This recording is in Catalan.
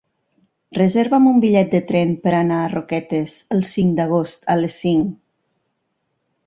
Reserva'm un bitllet de tren per anar a Roquetes el cinc d'agost a les cinc.